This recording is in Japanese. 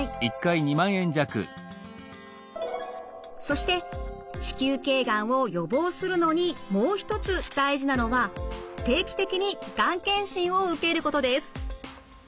そして子宮頸がんを予防するのにもう一つ大事なのは定期的にがん検診を受けることです。